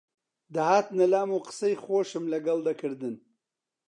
دەهاتنە لام و قسەی خۆشم لەگەڵ دەکردن